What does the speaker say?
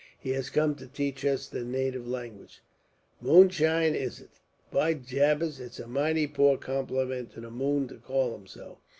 He has come to teach us the native language." "Moonshine, is it! By jabers, and it's a mighty poor compliment to the moon to call him so.